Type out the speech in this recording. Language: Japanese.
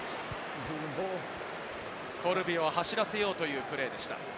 コルビを走らせようというプレーでした。